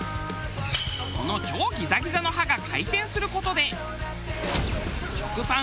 この超ギザギザの刃が回転する事で。